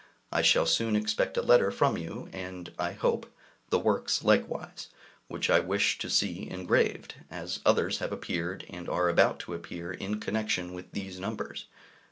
I shall soon expect a letter from you, and, I hope, the works likewise, which I wish to see engraved, as others have appeared, and are about to appear, in connection with these numbers.